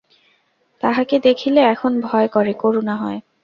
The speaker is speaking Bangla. তাহকে দেখিলে এখন ভয় করে, করুণা হয়।